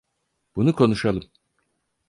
Bunu konuşalım.